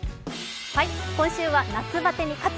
今週は「夏バテに勝つ！